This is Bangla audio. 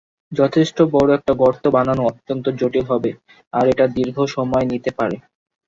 যথেষ্ট বড় একটা গর্ত বানানো অত্যন্ত জটিল হবে আর এটা দীর্ঘ সময় নিতে পারে।